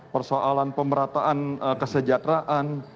persoalan pemerataan kesejahteraan